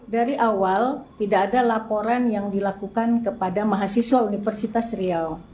dari awal tidak ada laporan yang dilakukan kepada mahasiswa universitas riau